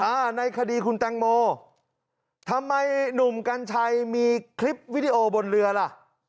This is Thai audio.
ในคดีคุณแตงโมทำไมหนุ่มกัญชัยมีคลิปวิดีโอบนเรือล่ะ